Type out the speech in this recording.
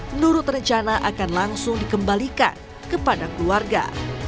menurut rencana akan langsung dikembalikan kepada keluarga